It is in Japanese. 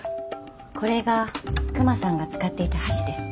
これがクマさんが使っていた箸です。